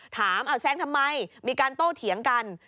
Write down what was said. ถามเอาแซงทำไมมีการโต้เถียงกัน